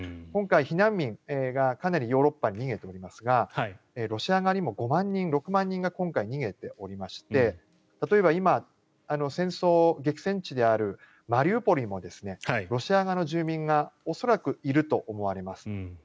今回、避難民がかなりヨーロッパに逃げておりますがロシア側にも５万人、６万人が今回逃げておりまして例えば今、戦争激戦地であるマリウポリでもロシア側の住民が恐らくいると思われます。